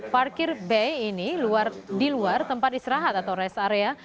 parkir bay ini di luar tempat istirahat atau rest area